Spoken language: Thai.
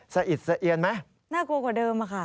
อิดสะเอียนไหมน่ากลัวกว่าเดิมอะค่ะ